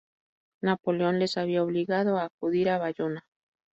Napoleón les había obligado a acudir a Bayona.